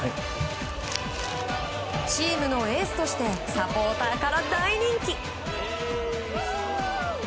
チームのエースとしてサポーターから大人気。